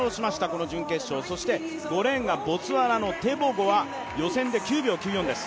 この準決勝、５レーンがボツワナのテボゴが予選で９秒９４です。